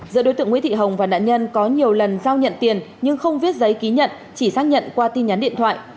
giữa đối tượng nguyễn thị hồng và nạn nhân có nhiều lần giao nhận tiền nhưng không viết giấy ký nhận chỉ xác nhận qua tin nhắn điện thoại